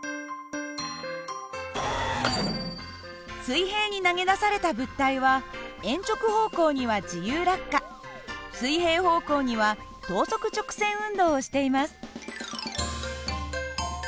水平に投げ出された物体は鉛直方向には自由落下水平方向には等速直線運動をしています。